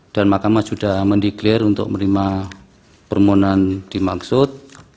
dan makamah sudah mendeklir untuk menerima permohonan dimaksud